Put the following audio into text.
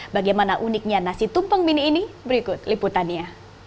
bagaimana uniknya nasi tumpeng mini ini berikut liputannya